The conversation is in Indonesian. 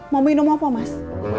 mau minum apa mas